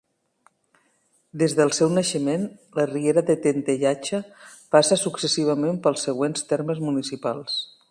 Des del seu naixement, la Riera de Tentellatge passa successivament pels següents termes municipals.